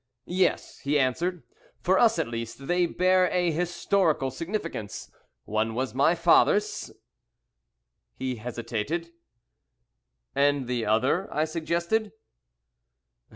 "Yes," he answered. "For us, at least, they bear a historical significance. One was my father's " He hesitated. "And the other," I suggested.